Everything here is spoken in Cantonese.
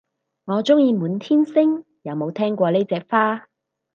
我鍾意滿天星，有冇聽過呢隻花